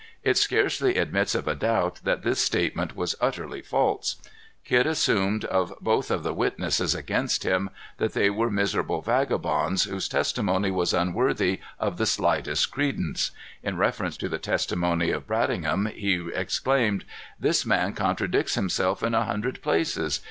It scarcely admits of a doubt that this statement was utterly false. Kidd assumed of both of the witnesses against him that they were miserable vagabonds, whose testimony was unworthy of the slightest credence. In reference to the testimony of Bradingham, he exclaimed: "This man contradicts himself in a hundred places.